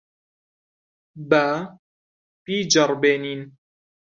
با بیجەڕبێنین.